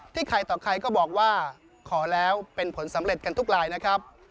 ใครต่อใครก็บอกว่าขอแล้วเป็นผลสำเร็จกันทุกลายนะครับ